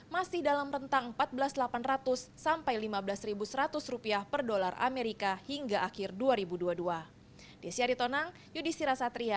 masih dalam rentang empat belas delapan ratus sampai lima belas seratus rupiah per dolar amerika hingga akhir dua ribu dua puluh dua